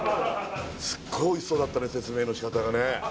すっごいおいしそうだったね説明の仕方がね